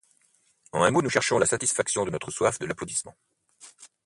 En un mot nous cherchons la satisfaction de notre soif de l’applaudissement.